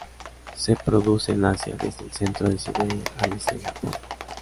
Se reproduce en Asia, desde el centro de Siberia al este de Japón.